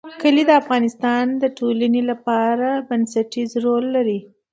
کلي د افغانستان د ټولنې لپاره بنسټيز رول لري.